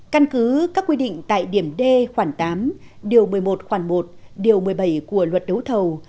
căn cứ các quy định tại điểm d khoảng tám điều một mươi một khoản một điều một mươi bảy của luật đấu thầu